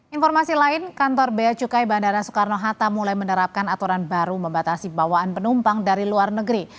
informasi lain kantor bea cukai bandara soekarno hatta mulai menerapkan aturan baru membatasi bawaan penumpang dari luar negeri